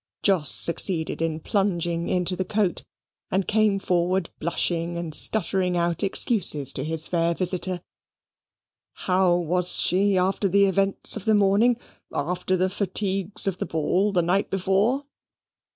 Jos succeeded in plunging into the coat, and came forward blushing and stuttering out excuses to his fair visitor. "How was she after the events of the morning after the fatigues of the ball the night before?"